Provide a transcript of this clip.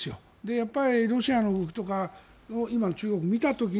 やっぱりロシアの動きとか今の中国を見た時に